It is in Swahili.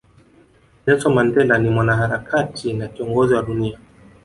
Nelson Mandela ni Mwanaharakati na Kiongozi wa dunia